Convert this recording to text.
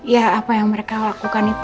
ya apa yang mereka lakukan itu